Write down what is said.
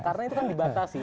karena itu kan dibatasi